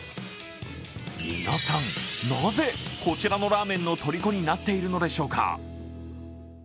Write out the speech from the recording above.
皆さん、なぜこちらのラーメンのとりこになっているのでしょうか。